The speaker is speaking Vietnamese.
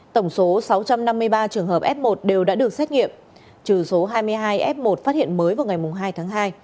tổng số sáu trăm năm mươi ba trường hợp f một đều đã được xét nghiệm trừ số hai mươi hai f một phát hiện mới vào ngày hai tháng hai